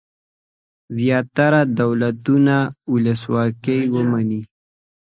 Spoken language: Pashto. زیاتره دولتونه ولسواکي ومني.